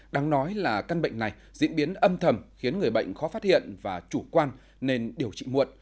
đáng nói là căn bệnh này diễn biến âm thầm khiến người bệnh khó phát hiện và chủ quan nên điều trị muộn